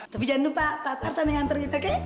tapi jangan lupa mba tarsan yang nganterin oke